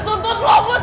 siapa yang nanti berakhir